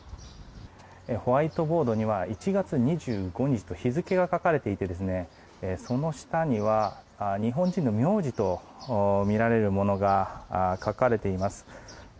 ホワイトボードには１月２５日と日付が書かれていてその下には日本人の名字とみられるものが書かれています。